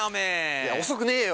いや遅くねえよ。